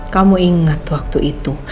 kamu ingat waktu itu